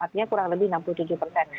artinya kurang lebih enam puluh tujuh persen